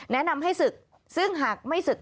แนะนำให้ศึกซึ่งหากไม่ศึก